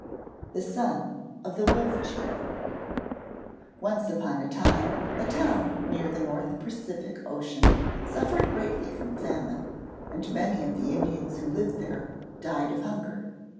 THE SON OF THE WOLF CHIEF Once upon a time a town near the North Pacific Ocean suffered greatly from famine and many of the Indians who lived there died of hunger.